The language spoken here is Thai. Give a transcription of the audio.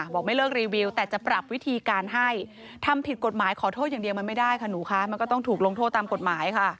บอกไม่เลิกรีวิวแต่จะปรับวิธีการให้ทำผิดกฎหมายขอโทษอย่างเดียวมันไม่ได้ค่ะหนูคะมันก็ต้องถูกลงโทษตามกฎหมายค่ะ